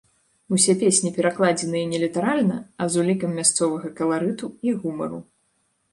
Усе песні перакладзеныя не літаральна, а з улікам мясцовага каларыту і гумару.